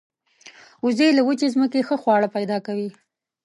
وزې له وچې ځمکې ښه خواړه پیدا کوي